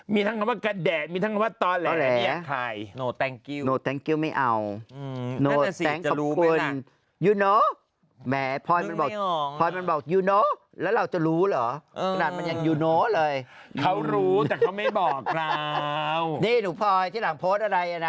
มีทั้งคำว่ากัดแดดมีทั้งคำว่าตอแหลแลนด์มีทั้งคำว่าใคร